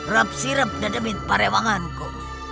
rep sirup dedemit parewanganku